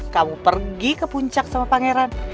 kamu pergi ke puncak sama pangeran